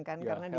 karena di situ